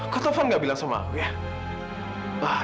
kok taufan gak bilang sama aku ya